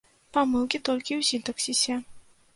Памылкі толькі ў сінтаксісе.